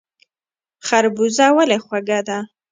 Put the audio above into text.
خربوزه ولې خوږه ده؟